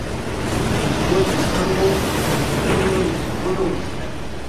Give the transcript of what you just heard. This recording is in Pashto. فېسبوک د خلکو د ذهنونو نښلولو وسیله ده